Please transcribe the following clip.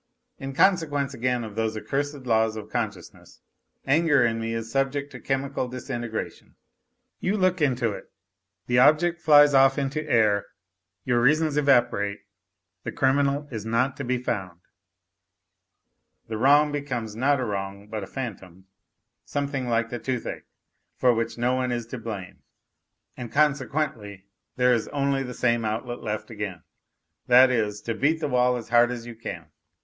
In consequence again of those accursed laws of con sciousness, anger in me is subject to chemical disintegration. You look into it, the object flies off into air, your reasons evaporate, the criminal is not to be found, the wrong becomes NOTES FROM UNDERGROUND 63 not a wrong but a phantom, something like the toothache, for which no one is to blame, and consequently there is only the same outlet left again that is, to beat the wall as hard as you can.